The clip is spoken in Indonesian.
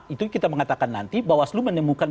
itu kita mengatakan nanti bawah aslu menemukan